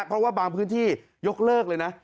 เพราะว่าบางพื้นที่ยกเลิกเลยนะ